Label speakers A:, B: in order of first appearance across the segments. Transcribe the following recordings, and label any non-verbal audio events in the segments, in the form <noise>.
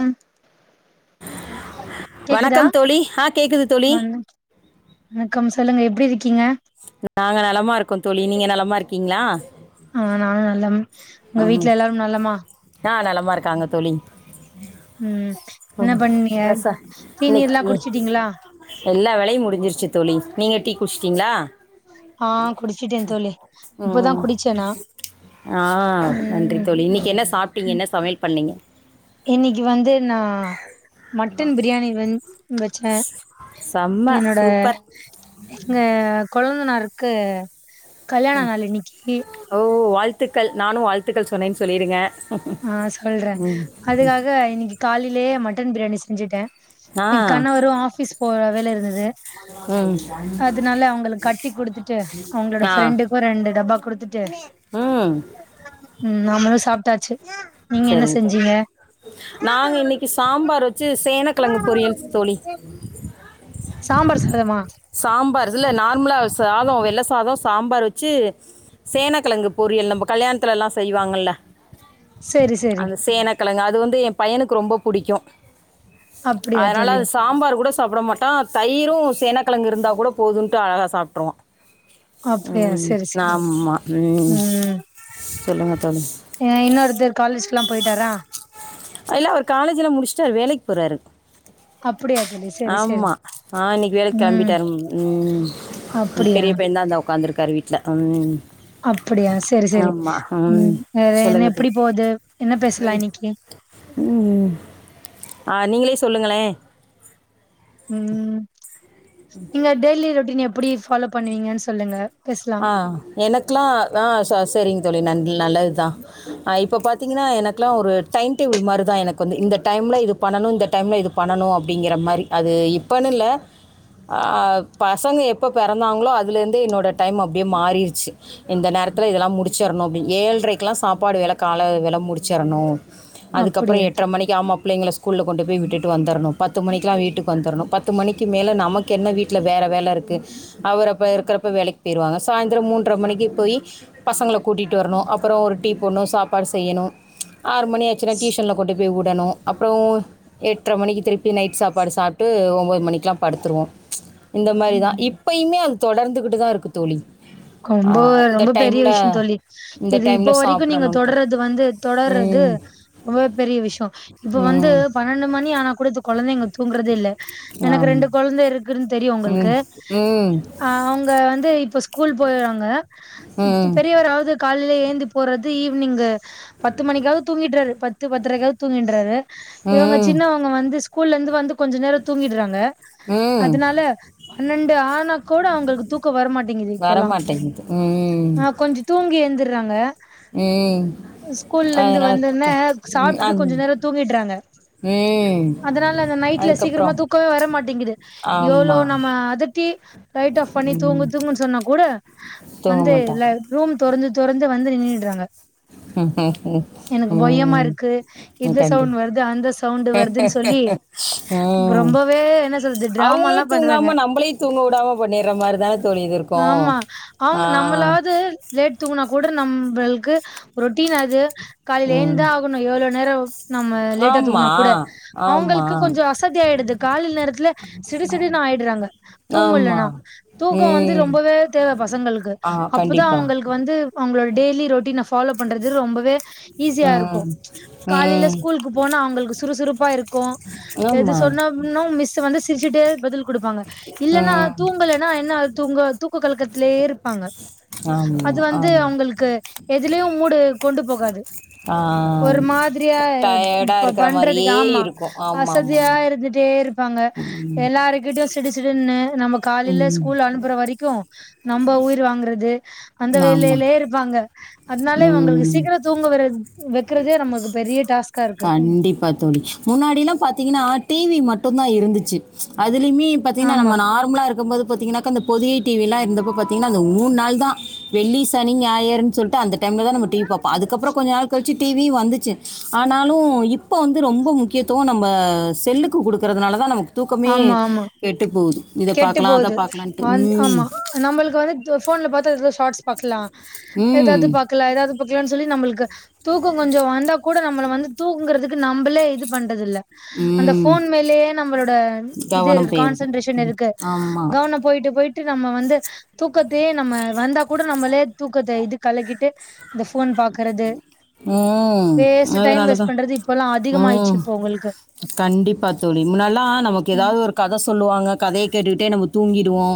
A: ம் கேக்குதா
B: வணக்கம் தோழி ஆஹ் கேக்குது தோழி.
A: வணக் வணக்கம் சொல்லுங்க எப்டி இருக்
B: நாங்க நலமா இருக்கோ தோழி நீங்க நலமா இருக் கிங்ளா
A: ஆஹ் நானு நலம். உங்க வீட்டுல எல்லாரும் நலமா?
B: மா இருக்காங்க தோழி.
A: ம் என்ன
B: <unintelligible>
A: பண்ணீங்க டீ நீர்லா
B: இன்னைக்கு
A: குடிச்சிட்டீங்களா
B: எல்லா வேலையு முடிஞ்சிருச்சு தோழி நீங்க டீ குடிச் கீங்களா
A: ஆஹ் குடிச்சுட்டேந் தோழி இப்பதா
B: ம்
A: குடிச்சே நா
B: ஆ நன்றி
A: ம்
B: தோழி இன்னிக்கு என்ன சாப்ட்டீங்க என்ன சமையல் பண்ணிங் ணீங்க
A: இன்னைக்கு வந்து நா மட்டன் பிரியாணி வந் வச்ச
B: செம்ம
A: என்னோட
B: சூப்பர்
A: எங்க கொழுந்தனார் க்கு கல்யாண நாள் இன்னிக்கி.
B: த்துக்கள் நானு வாழ்த்துக்கள் சொன்னேன்னு சொல்லிருங்க.
A: ஆ சொல்ற, அதுக்காக இன்னிக்கி காலைலயே மட்டன் பிரியாணி செஞ்சுட்டே,
B: ஆ
A: என் கணவரு ஆபீஸ் போற வேல இருந்துது
B: ம்
A: அதனால அவங்களுக்கு கட்டி குடுத்துட்டு அவங்களோட
B: ஆ
A: ஃப்ரெண்டுக்கு ரெண்டு டப்பா குடுத்துட்டு
B: ம்
A: ம் நாமளும் சாப்ட்டாச்சு. நீங்க என்ன
B: செரிங்க தோழி,
A: செஞ்சீங்க
B: நாங்க இன்னைக்கி சாம்பார் வச்சு சேன கிழங்கு பொரியல் தோழி.
A: சாம்பார் சாதமா?
B: அதுல நார்மலா சாதோ வெள்ள சாதம் சாம்பார் வச்சி சேனக்கெழங்கு பொரியல், நம்ம கல்யாணத்துல எல்லா செய்வாங்கல்ல
A: செரி செரி.
B: கெழங்கு அது வந்து எ பையனுக்கு ரொம்ப புடிக்கு.
A: அப்டியா
B: அதனால
A: தோழி
B: அது சாம்பார் கூட சாப்புட மாட்டா, தயிரு சேனக்கெழங்கு இருந்தா கூட போதுன்ட்டு அழகா சாப்ட்ருவா.
A: அப்டியா
B: ம்,
A: சேரி சேரி
B: ஆமா, ம் சொல்லுங்க
A: ஏய் இன்னொருத்தர் காலேஜ்கெல்லாம் போயிட்டாரா?
B: இல்ல அவுரு காலேஜ்லா முடிச்சுட்டு ச்ச வேலைக்கு போறாரு.
A: அப்பிடியா தோழி, செரி செரி
B: ஆ இன்னைக்கு வேலைக்கு
A: ம்
B: கெளம்பிட்டாரு. ம்.
A: அப்பிடியா
B: பெரிய பையன் தான் இந்தா உக்காந்துருக்காரு வீட்ல. ம்.
A: அப்பிடியா செரி செரி
B: ஆமா.
A: ம் வேற என்ன
B: சொல்லுங்க தோழி.
A: எப்பிடி போது? என்ன பேசலாம் இன்னிக்கு
B: ம்ஹும் ஆ நீங்களே சொல்லுங்களேன்.
A: ம் இங்க டெல்லி டெய்லி ரொட்டீன் எப்பிடி ஃபாலோ பண்ணுவீங்கன்னு சொல்லுங்க பேசலா
B: ஆ எனக்குல்லாம் ஆ ச சரிங் தோழி நன்றி நல்லதுதான் இப்ப பாத்தீங்கன்னா எனக்குல்லாம் ஒரு டைம் டேபிள் மாரிதான் எனக் கொஞ்ச இந்த டைமில இது பண்ணணும் இந்த டைமில இது பண்ணணும் அப்பிடிங்கிற மாறி அது இப்போன்னு இல்ல ஆ பசங்க எப்போ பெறந்தாங்களோ அதுலேருந்து என்னோட டைம் அப்பிடியே மாறிடுச்சு இந்த நேரத்துல இதெல்லாம் முடிச்சிடணும் அப்பிடினு ஏழ்ரைக்கெல்லாம் சாப்பாடு வேலை கால வில முடிச்சிடணும் அதுக்கப்பறம்
A: அப்டியா
B: எட்டரை மணிக்கு ஆமா பிள்ளைங்கள ஸ்கூல்ல கொண்டு போய் விட்டுட்டு வந்துரணும் பத்து மணிக்கெலா வீட்டுக்கு வந்துரணும் பத்து மணிக்கு மேல நமக்கு என்ன வீட்ல வேற வேல இருக்கு அவர் அப்போ இருக்கிறப்ப வேலைக் போயிருவாங்க சாய்ந்திரம் மூன்றரை மணிக்கு போய் பசங்களை கூட்டிகிட்டு வரணும் அப்புறம் ஒரு டீ போட்ணும் சாப்பாடு செய்யணும் ஆறு மணி ஆச்சினா டியூஷன்ல கொண்டு போய் விட் டணும் அப்புறம் எட்டரை மணிக்கு திருப்பி நைட் சாப்பாடு சாப்ட்டு ஒன்பது மணிக்கெல்லாம் படுத்துருவோம் இந்த மாதிரிதான்
A: ம்
B: இப்பயுமே அ தொடர்ந்துகிட்டு தான் இருக்கு தோழி
A: ரொம்ப ரொம்ப பெரிய
B: டைமில்
A: விஷயம் தோழி
B: இந்த
A: இது இப்போ
B: டைமில்
A: வரைக்கும் நீங்க
B: சாப்பிடணுன்ட்டு
A: தொடர்றது வந்து தொடர்றது
B: ம்
A: ரொம்ப பெரிய விஷயம் இப்ப வந்து
B: ம்
A: பன்னெண்டு மணி ஆனா கொடுத்து குழந்தங்க தூங்குறது இல்லை எனக்கு
B: ஆமாம்
A: ரெண்டு குழந்தை இரு குனு தெரியும் உங்களுக்கு
B: ம் ம்
A: அவங்க வந்து இப்ப ஸ்கூல் போயறாங்க
B: ம்
A: பெரியவராவது கா ல எந்தி போறது ஈவினிங் பத்து மணிக்காக தூங்கிடுறாரு பத் த்து பத்திரகளா தூங்கின்றாரு இவங்க
B: ம்
A: சின்னவங்க வந்து ஸ்கூல்ல இருந்து வந்து கொஞ்சம் நேரம் தூங்கிடுறாங்க
B: ம்
A: அதனால பன்னண்டு ஆனா கூட அவங்களுக்கு தூக்க வரமாட்டேங்குது இப்பல்லா
B: வரமாட்டேங்குது உம்
A: றாங்க ஸ்கூல்ல இருந்து
B: அதனால்
A: வந்தோனே
B: தூக்கம் ம்
A: சாப்பிட்டுட்டு
B: அந்
A: கொஞ்ச நேரம் தூங்கிடுறாங்க
B: ம்
A: அதனால அந்த நைட்ல சீக்கிரமா
B: அதுக்கப்புறம்
A: தூக்கமே வரமாட்டேங்குது எவ்ளோ
B: ஆமாம்
A: நம்ம அதட்டி லைட் ஆஃப் பண்ணி தூங்கு
B: ம்
A: தூங்குன்னு சொன்னா கூட
B: தூங்க
A: வந்து ல
B: மாட்டாங்க
A: ரூம் <unintelligible> தொறந்து வந்து நின்னுடுறாங்க
B: உம்
A: இருக்கு
B: உ
A: இந்த
B: கண்டி
A: சவுண்ட் வருது அந்த சவுண்டு வருதுன்னு சொல்லி
B: உம்
A: ரொம்பவே என்ன சொல்றது டிராமால்லா
B: அவங்களும்
A: பண்றாங்க
B: தூங்காம நம்பளையும் தூங்க விடாம பண்ணிற மாதிரிதானே தோழி இது இருக்கு
A: ஆமா அவங்க நம்மளாவது லேட் தூங்கணா கூட நம்பள்க்கு ரொட்டீனாது காலில ஏந்து
B: ம்
A: தான் ஆகணும் எவ்வளவு நேரம் நம்ம லேட்டா
B: ஆமா,
A: தூங்கினா கூட
B: ஆமா,
A: அவங்களுக்கு கொஞ்சம் அசதி ஆயிடுது கால நேரத்துல சிடி சிடி னுக்கு ஆயிடுறாங்க
B: ஆமா.
A: தூங்கலனா தூக்கம் வந்து
B: ம்.
A: ரொம்பவே தேவை பசங்களுக்கு
B: ஆ
A: அப்பதான்
B: கண்டிப்பா.
A: அவங்களுக்கு வந்து அவங்களோட டெய்லி ரொட்டின் ஆ ஃபாலோ பண்றது ரொம்பவே ஈஸியா இருக்கு
B: ம்,
A: ப்ச் காலையில
B: ம்.
A: ஸ்கூலுக்கு போனா அவங்களுக்கு சுறுசுறுப்பா இருக்கும் எது
B: ஆமா,
A: சொன்னோம்னு மிஸ் வந்து சிரிச்சுட்டே பதில் குடுப்பாங்க இல்லன்னா
B: ம்.
A: தூங்கலனா என்னாகு தூங்கது தூக்க கலக்கத்லே இருப்பாங்க அது
B: ஆமா,
A: வந்து
B: ஆமா.
A: அவங்கள்க்கு எதுலயு மூடு கொண்டு போகாது
B: ஆ.
A: ஒரு மாதிரியா
B: டயர்டா இருக்கிற
A: பண்றதுக்கு
B: மாரியே
A: ஆமா
B: இருக்கும். ஆமாமாமா.
A: அசதியா இருந்துட்டே இருப்பாங்க எல்லாருக்கிட்டயு சிடுசிடுனு நம்ம காலைல
B: ம்.
A: ஸ்கூல் அனுப் வரிக்கு நம்ப உயிர் வாங்றது அந்த
B: ஆமா.
A: வேலைலே இருப்பாங்க அதனால இவங்களுக்கு
B: ம்
A: சீக்கிர தூங்க வர வைக்கிறதே நமக்கு பெரிய டாஸ்கா இருக்கு
B: கண்டிப்பா தோழி முன்னாடில்லா பாத்தீங்ன்னா டி வி மட் டுந்தா இருந்துச்சு அது லயுமே பாத்தீங்னா
A: ஆமா
B: நம்ம நார்மலா இருக்கும் போது பாத்திங்கனா க்க அந்த பொதிகை டி வி-ல்லா இருந்தப்ப பாத்தீங்ன்னா அந்த மூணு நாள்தா வெள்ளி சனி ஞாயர்னு சொல் ட்டு அந்த டைம்லதா நம்ம டி வி பாப்போ அதுக்கப்றோ கொஞ்ச நாள் கழி ச்சு டி வி-யு வந்துச்சு ஆனாலு இப்போ வந்து ரொம்ப முக்கியத்துவோ நம்ம செல்லுக்கு குடுக்றதுனால தா நமக்
A: ஆமா ஆமா கெட்டு
B: பார்க்கலாம் அதை
A: போது
B: பார்க்கலான்ட்டு ம்
A: ஆமா நம்மளுக்கு வந்து போன்ல பாத்து ஷார்ட்ஸ் பாக்லா ஏதாது
B: ம்
A: பாக்லா ஏதாது பாக்லா சொல்லி நம்மளுக்கு தூக்கோ கொஞ்சோ வந்தா கூட நம்மள வந்து தூங்கறதுக்கு நம்பளே இது பண்றது இல்ல அந்த
B: ம்
A: ஃபோன் மேலயே நம்பளோ த இது
B: கவனம்
A: இருக்கு
B: போயிருது
A: கான்சென்ட்ரேஷன் இருக்கு
B: ஆமா
A: கவன போயிட்டு போயிட்டு நம்ம வந்து தூக்கத்தையே நம்ம வந்தா கூட நம்மளே தூக்கத்த இது கலக்கிட்டு இந்த ஃபோன் பாக்குறது
B: ம்
A: வேஸ்ட் டைம்
B: அதனாலதா
A: வேஸ்ட் பண்றது இப்பல்லா அதிகமாயிடுச்சு
B: ம்
A: இப்போ உங்களுக்கு
B: கண்டிப்பா தோழி முன்னல்லா நமக்கு
A: ம்
B: ஏதாவது ஒரு கத சொல் சொல்லுவாங்க கதைய கேட்டுக்கிட்டே நம்ம தூங்கிடுவோ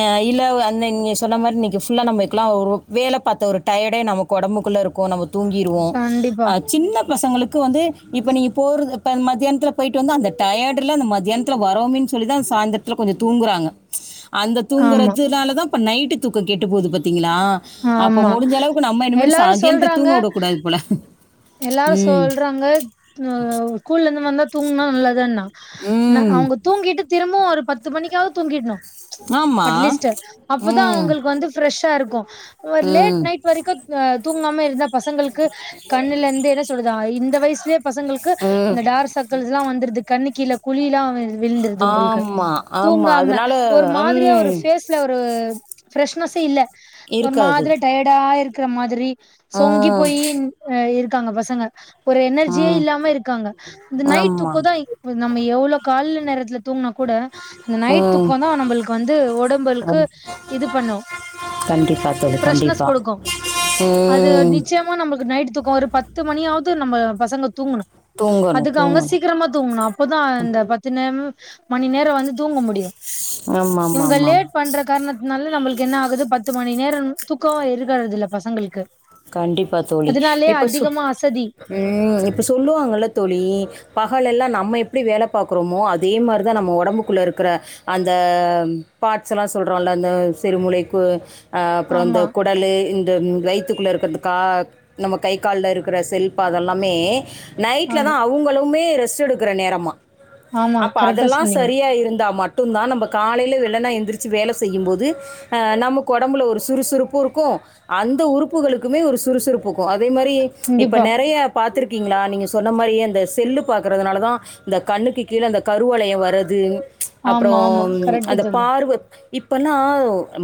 B: அ இல்ல அந் நீ சொன்ன மாரி இன்னிக்கு ஃபுல்லா நம்ம இதுக்குல்லா ஒரு வேல பாத்த ஒரு டயர்டே நமக்கு ஒடம்புக்கு குள்ள இருக்கு நம்ம தூங்கிறுவோ
A: கண்டிப்பா
B: சின்ன பசங்களுக்கு வந்து இப்ப நீங்க போற பன் மதியானத் க்குல போயிட்டு வந்து அந்த டயர்டல அந்த மதியானத்தில வரோமே சொல்லிதான் சாயந்திரத்தில கொஞ்சம் தூங்குறாங்க அந்த
A: ஆமா
B: தூங்குறதுனாலதான் இப்ப நைட்டு தூக்கோ கேட்டு போது பத்தி யிளா அப்போ
A: ஆமா
B: முடிஞ்ச அளவுக்கு நம்ம
A: எல்லாரு
B: இனிமேட் எந்த
A: சொல்றாங்க
B: தூங்க உடக்கூடாது போல
A: எல்லாரு
B: ம்
A: சொல்றாங்க அ ஸ்கூல்ருந்து வந்தா தூங்ன்னா நல்லதுன்னா நா
B: ம்
A: அவுங்க தூங்கிட்டு துர இல்ல ஒரு பத்து மணிக்காவது தூங்கிர்ணு
B: ஆமா
A: அட்லீஸ்ட்டு அப்பதா
B: ம்
A: அவங்களுக்கு வந்து ஃப்ரெஷா இருக்கு ஒரு லேட்
B: ம்
A: நைட் வரைக்கு தூங்காம இருந்தா பசங்களுக்கு கண்ணுலருந்து என்ன சொல்லுவாங்க இந்த வயசுலயே பசங்களுக்கு
B: ம்
A: இந்த டார்க் சர்க்கிள்ஸ்ல்லா வந்துருது கண்ணுக் கீழ் குழிலா வந் விழுந்துருது அவுங்களுக்கு
B: ஆமா ஆமா
A: தூங்காம
B: அதனால
A: ஒரு மாதிரியா ஒரு
B: ம்
A: ஃபேஸ்ல ஒரு ஃப்ரெஷ்னஸெ இல்ல ஒரு
B: இருக்காது
A: மாதிரி டயர்ட்டா ஆயிரு இருக்குற மாதிரி சொங்கி
B: ம்
A: போயி அ இருக்காங்க பசங்க ஒரு எனர்ஜியே
B: ம்
A: இல்லாம இருக்காங்க இந்த நைட்
B: ஆமா
A: தூக்க தா நம்ம எவ்ளோ கால்ல நேரத்துல தூங்குனா கூட அந்த நைட்
B: ம்
A: தூக்கே தா நம்பளுக்கு வந்து ஒடம்புளுக்கு
B: ஆம்.
A: இது பண்ணு
B: கண்டிப்பா தோழி
A: ஃப்ரெஷ்னஸ்
B: கண்டிப்பா
A: குடுக்கு அது
B: ம்
A: நிச்சயமா நம்பளுக்கு நைட் இப்ப ஒரு பத்து மணியாவது நம்ம பசங்க தூங்கணு
B: தூங்கணும்
A: அதுக்கு அவங்க
B: தூங்கணும்
A: சீக்கிரமா தூங்கணு அப்பதா இந்த பத்து நே மணி நேரோ வந்து தூங்க முடியு
B: ஆமா ஆமா ஆமா
A: இவங்க
B: ஆமா
A: லேட் பண்ற காரணத் அதுனால நம்மளுக்கு என்ன ஆகுது பத்து மணி நேரோ தூக்கே இருக்கறது இல்ல பசங்களுக்கு
B: கண்டிப்பா தோழி
A: அதனாலயே
B: இப்ப
A: அதிகமா அசதி
B: உம் இப்ப சொல்லுவாங்கல்ல தோழி பகலெல்லா நம்ம எப்பிடி வேல பாக்குறோமோ அதே மாரிதா நம்ம ஒடம்புக்குள்ளே இருக்கற அந்த பார்ட்ஸ்ல்லா சொல்றோல்ல அந்த சிறுமூளைக்கு அ அப்புற இந்த
A: ஆமா
B: குடலு இந்த வயித் த்துகுள்ள இருக் துக்கர்த்துக்காக் நம்ம கை கால்ல இருக்கற செல்பா அதெல்லாமே நைட்லதா
A: ஆமா
B: அவுங்களுமே ரெஸ்ட் எடு க்குற நேரமா
A: ஆமா
B: அப்ப
A: கரெக்டா
B: அதெல்லா
A: சொன்னீங்க
B: சரியா இருந்தா மட் மட்டுந்தா நம்ம காலைல வெள்ளன எந்திரிச்சு வேல செய்யும்போது அ நமக்கு ஒடம்புல ஒரு சுறுசுறுப்பு இருக்கு அந்த உறுப்புகளுக் குமே ஒரு சுறுசுறுப்புக் கு அதே மாரி இப்ப
A: கண்டிப்பா
B: நெறயா பாத்ருக்கீங்களா நீங்க சொன் ன மாரி அந்த செல்லு பாக்கறதுனாலதா இந்த கண்ணுக்கு கீழ அந்த கருவளயொ வரது
A: ஆமா ஆமா
B: அப்பறோம்
A: கரெக்ட்டு
B: அந்த
A: தோழி
B: பார்வ இப்பல்லா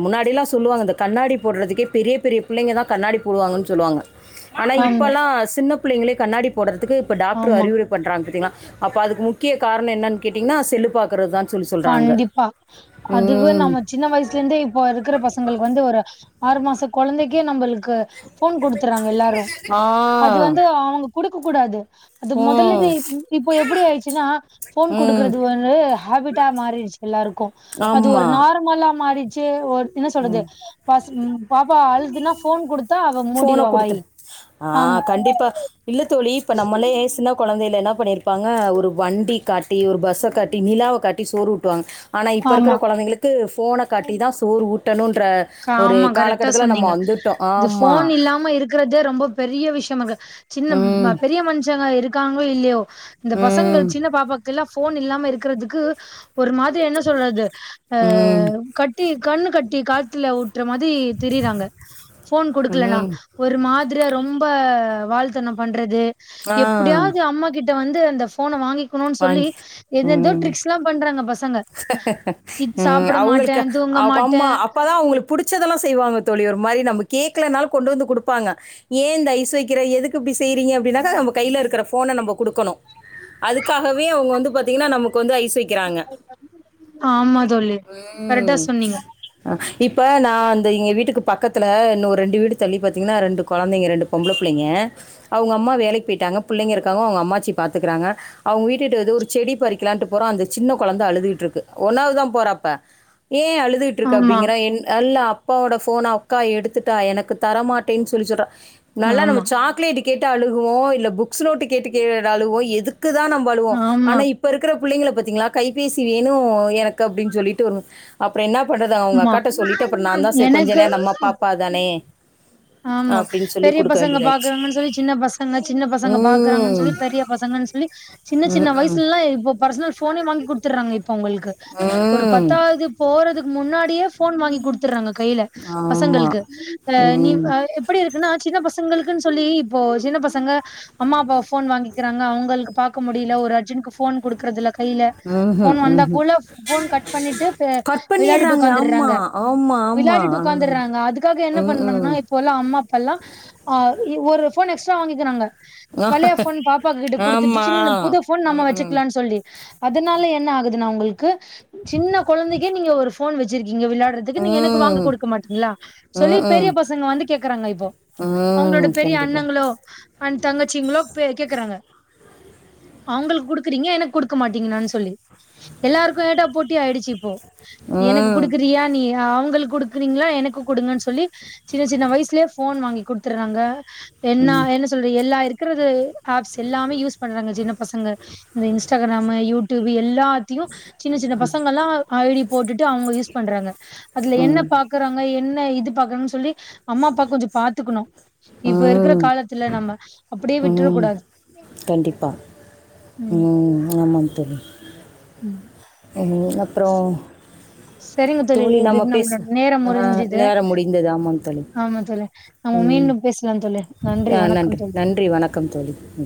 B: முன்னாடிலா சொல்லுவாங்க இந்த கண்ணாடி போடுறதுக்கே பெரிய பெரிய புள்ளைங்கதா கண்ணாடி போடுவாங்கன் சொல்லுவாங்க ஆனா
A: ஆமா
B: இப்பல்லா சின்னப் புள்ளைங்களே கண்ணாடி போடுறது துக்கு இப்ப டாக்ட்ரு
A: ஆமா
B: அறிவுரை பண்றாங் பாத்தீங்ளா அப்ப அதுக்கு முக்கிய காரணொ என்னனு கேட்டீங்கன்னா செல்லு பாக்குறதா
A: கண்டிப்பா அதுக்கு நம்ம சின்ன வயசுலந்தே இப்ப இருக்கிற பசங்களுக்கு வந்து ஒரு ஆறு மாச கொழந்தைக்கே நம்பளுக்கு ஃபோன் குடுத்துறாங்க எல்லாரு அது
B: ஆ
A: வந்து அவங்க குடுக்க கூடாது அது மொதல்லந்தே
B: ம்
A: இப் இப்போ எப்படி ஆயிடுச்சுன்னா ஃபோன்
B: ம்
A: குடுக்குறது ஒரு ஹேபிட் டா மாறிடுச்சு எல்லாருக்கு அது ஒரு
B: ஆமாம்
A: நார்மலா மாறி ச்சு ஒரு என்ன சொல்லது பசும் பாப்பா அழுது துன்னா ஃபோன் குடுத்
B: ஃபோன குடுத்ரு
A: ஆமா
B: ஆஹ் கண்டிப்பா இல்ல தோழி இப்ப நம்மளே சின்ன கொழந்தை ல என்ன பண்ணியிருப்பாங்க ஒரு வண்டி காட் டி ஒரு பஸ்ஸ காட்டி நிலாவ காட் டி சோறூட்டுவாங்க ஆனா இப்போ
A: ஆமா
B: இருக்கற கொழந்தைங்களுக்கு ஃபோன காட்டிதா சோறு ஊட்டணுன்ற ஒரு
A: ஆமா கரெக்டா
B: காலக்கட்டத்தில நம்மோ
A: சொன்னீங்க
B: வந்துட்டோ
A: இது
B: ஆமா
A: ஃபோன் இல்லாம இருக்கறது ரொம்ப பெரிய விஷயமாக்கு சின்ன ம
B: ம்
A: பெரிய மனுஷங்க இருக் க்காங்களோ இல்யோ இந்த
B: ம்
A: பசங்கள் சின்ன பாப்பாக் ல்லா ஃபோன் இல்லாம இருக்றதுக்கு ஒரு மாதிர் என் சொல்றது
B: ம்
A: அஹ் கட்டி கண்ணு கட்டி காத்துல உட் த்ர மாதி திரிறாங்க ஃபோன் குடுக்கலனா
B: ம்
A: ஒரு மாத்ரியா ரொம் ரொம்ப வால்த்தனம் பண்றது
B: ஆ
A: எப்டியாவது அம்மா கிட் ட்ட வந்து அந்த போன வாங்கி க்கனு சொல்லி
B: வாங்கி
A: எது எதோ ட்ரிக்ஸ் எல்லா பண்றாங்க பசங்க இ
B: உம்
A: சாப்ட மாட்டே
B: அவங்களுக்கு
A: தூங்க
B: அப்
A: மாட்டே
B: அம்மா அப்பாதா அவங்களுக்கு புடுச்சதெல்லா செய்வாங்க தோழி ஒரு மாரி நம்ம கேக்கலனாலு கொண்டு வந்து குடுப்பாங்க ஏ இந்த ஐஸ் வக்கற எதுக்கு இப்டி செய்றீங்க அப்டினாகா நம்ம கைல இருக்ற ஃபோன நம்ம கு டுக்கணு அதுக் அதுக்காகவே அவங்க வந்து பாத்தீங்கன்னா நமக் வந்து ஐஸ் வைக் க்கறாங்க
A: ஆமா தோழி கரெக்டா
B: உம்
A: சொன்னீங்க
B: இப் இப்ப நா அந்த எங்க வீட்டுக்கு பக்கத்துல இன்னொரு ரெண்டு வீடு தள்ளி பாத்தீங்கன்னா ரெண்டு கொழந்தைங்க ரெண்டு பொம்பள புள்ளங்க அவ்ங்க அம்மா வேலைக்கு போய்ட்டாங்க புள்ளைங்க இருக்காங்க அவங்க அம்மாச்சி பாத்துக்கறாங்க அவ்ங்க வீட்டுட்ட எதோ ஒரு செடி பறிக்கலான்ட்டு போறோ அந்த சின்ன கொழந்த அழுதுகிட்டு இருக்கு ஒன்னாவ்தா போறப்ப ஏ அழுதுகிட்டுருக்க
A: ஆமா
B: அப்டிங்கற என் ல்ல அப் அப்பாவோட ஃபோன அக்கா எடுத்துட்டா எனக்கு தரமாட்டேன்னு சொல்லி சொல்றா நல்லா நம்ம
A: ஆமா
B: சாக்லேட் கேட்டா அழுகுவோ இல்ல புக்ஸ் நோட்டு கேட்டு கே அழுகுவோ எதுக்கு க்குதா நம்மழுவோ
A: ஆமா
B: ஆனா இப்ப இருக்றப் புள்ளைங்கள பாத்தீங்களா கைபேசி வேணு எனக்கு அப்டின்னு சொல்லிட்டு வரு அப் அப்றோ என்னா பண்றது அவங்க
A: ஆமா
B: அக்காட்ட சொல்லிட்டு அப்றோ நாதா செரி கொஞ்ச
A: எனக்கு
B: நேரம் நம்ம பாப்பாதானே
A: ஆமா பெரிய பசங்க பாக்குறாங்கன்னு சொல்லி சின்ன பசங்க சின்ன பசங்க பாக்குறாங்கன்னு
B: ம்.
A: சொல்லி பெரிய பசங்கன்னு சொ ல்லி சின்ன சின்ன
B: ம்ஹ்ம்.
A: வயசுலல்லா இப்ப பர்சனல் ஃபோனே வாங்கி குடுத்றாங்க இப் உங்களுக்கு ஒரு
B: ம்.
A: பத்தாவது போறதுக்கு முன்னாடி ப்யே போன் வாங்கி கு டுத்றாங்க கைல
B: ஆமா.
A: பசங்களுக்கு ஹ நீ
B: ம்.
A: ஹ எப்டி இருக்குன்னா சின்ன பசங் த்துங்களுக்குன்னு சொல்லி இப்போ சின்ன பசங்க அம்மா அப்பா ஃபோன் வாங்கிக்றாங்க அவங்களுக் பாக்க முடில ஒரு அர்ஜென்க்கு போன் குடுக்றதுல கைல
B: ம்ஹ்ம்,
A: ஃபோன் வந்தா
B: ம்ஹ்ம்.
A: கூல ஃபோன் கட் பண்ணிட்டு பே
B: கட்
A: விளாடிட்டு
B: பண்ணிர்றாங்க. ஆமா,
A: உக்காந்துடுறாங்க
B: ஆமா, ஆமா.
A: விளாடிட்டு
B: ம்.
A: உக்காந்துடுறாங்க அதுக்காக என்ன பண்றாங்கன்னா
B: ம்ஹ்ம்.
A: இப் போல அம்மா அப்பால்லா அதாது ஒரு போன் எக்ஸ்ட்ரா வாங்கிக்கிறாங்க பழைய ஃபோன் பாப்பா கிட்ட குடுத்துட்டு
B: ஆமா.
A: சின்ன புது ஃபோன் நம்ம
B: ம்ஹ்ம்.
A: வச்சிக்கலான்னு சொல்லி அதுனால என்ன ஆகுதுன்னா உங்களுக்கு சின்ன கொழந்தைக்கே நீங்க ஒரு ஃபோன் வச்சிருக்கீ இங்க விளாடுறதுக்கு நீங்க எனக்கு வாங்கி
B: ம்.
A: குடுக்க மாட்டீங்களா
B: ம்ஹ்ம்.
A: சொல்லி பெரிய
B: ம்.
A: பச வந்து கேக்கறாங்க இப்போ அவுங்களோட
B: ம்
A: பெரிய
B: கண்டிப்பா.
A: அண்ணங்களோ அண்ட் தங்கச்சிங்களோ பே கேக்கறாங்க அவுங்களுக்கு குடுக்குறீங்க எனக்கு குடுக்க மாட்டீங்களான்னு சொல்லி எல்லாருக்கு ஏட்டா போட்டி ஆயிடுச்சி இப்போ எனக்கு
B: ம்.
A: குடுக்குரியா நீ அவுங்களுக்கு குடுக்குறீங்களா எனக்கு குடுங்கன்னு சொல்லி சின்ன சின்ன வயசுலயே ஃபோன் வாங்கி குடுத்தர்றாங்க என்னா
B: ம்.
A: என்ன சொல்ற எல்லா இருக் க்கறது ஆப்ஸ் எல்லாமே யூஸ் பண்றாங்க சின்ன பசங்க இந்த இன்ஸ்டாகிராமு யூ டியூபு எல் லாத்தயு சின்ன சின்ன பசங்கல்லா ஐ டி போட்டுட்டு அவங்க யூஸ் பண்றாங்க அதுல என்ன
B: ம்.
A: பாக்கறாங்க என்ன இந்த இது பாக்கனுன்னு சொல்லி அம்மா அப்பா கொஞ்சோ பாத்துக்கணு இப்ப இருக்கிற
B: ம்.
A: காலத்துல நம்ம அப்டியே விட்டுற
B: ம்.
A: கூடாது
B: கண்டிப்பா.
A: ம்
B: தோழி
A: ம்
B: ம் அப்புறோ
A: சரிங்க தோழி இது நம்மளோட நேரம்
B: ஆ
A: முறிஞ்சுது
B: நேரம் முடிந்தது. ஆமாம் தோழி.
A: ஆமா தோழி நம்ம
B: ம்.
A: மீண்டும் பேசலாம் தோழி நன்றி
B: அ
A: வணக்கம் தோழி
B: நன்றி. வணக்கம் தோழி. ம்.